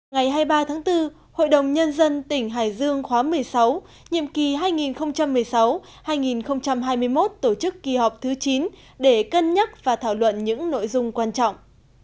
ngày hai mươi ba tháng bốn hội đồng nhân dân tỉnh hải dương khóa một mươi sáu nhiệm kỳ hai nghìn một mươi sáu hai nghìn hai mươi một tổ chức kỳ họp thứ chín để cân nhắc và thảo luận những nội dung quan trọng